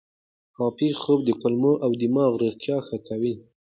کافي خوب د کولمو او دماغ روغتیا ښه کوي.